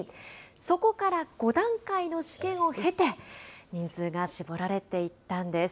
そこから５段階の試験を経て、人数が絞られていったんです。